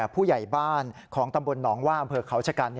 ผู้ใหญ่บ้านของตำบลหนองว่าอำเภอเขาชะกัน